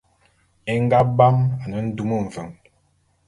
É nga bam ane ndum mveng.